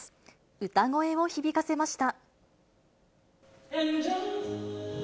歌声を響かせました。